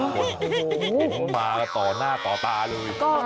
ความขึ้นมาต่อหน้าต่อตาเลย